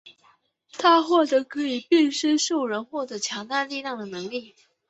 他获得可以变身兽人获得强大力量的能力。